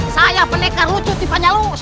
saya pendekar lucu tipe nyalu